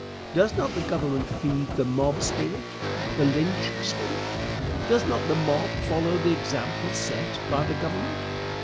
Does not the Government feed the mob spirit the lynch spirit? Does not the mob follow the example set by the Government?